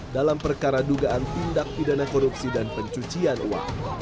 dalam perkara dugaan tindak pidana korupsi dan pencucian uang